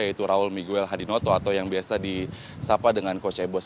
yaitu raul miguel hadinoto atau yang biasa disapa dengan coach cbos